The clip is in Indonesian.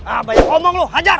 ah banyak omong lu hajar